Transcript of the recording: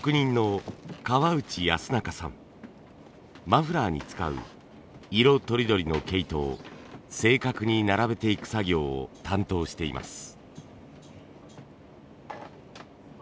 マフラーに使う色とりどりの毛糸を正確に並べていく作業を担当しています。